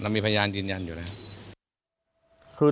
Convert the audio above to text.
เรามีพยายามยืนยันอยู่เลยครับ